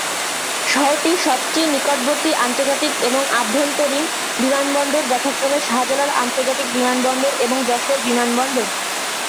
শহরটির সবচেয়ে নিকটবর্তী আন্তর্জাতিক এবং আভ্যন্তরীণ বিমানবন্দর যথাক্রমে শাহজালাল আন্তর্জাতিক বিমানবন্দর এবং যশোর বিমানবন্দর।